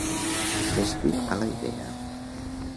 Fes-t'hi a la idea!